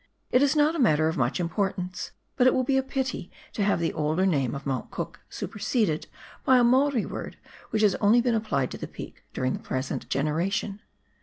It is not a matter of much importance, but it will be a pity to have the older name of Mount Cook superseded by a Maori word which has only been applied to the peak during the present generation.